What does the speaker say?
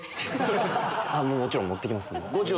もちろん持って来ます。